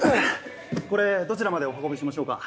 これどちらまでお運びしましょうか？